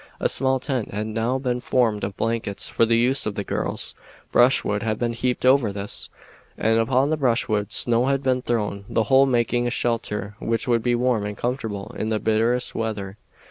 A small tent had now been formed of blankets for the use of the girls; brushwood had been heaped over this, and upon the brushwood snow had been thrown, the whole making a shelter which would be warm and comfortable in the bitterest weather.